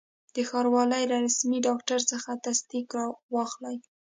د ښاروالي له رسمي ډاکټر څخه تصدیق را واخلئ.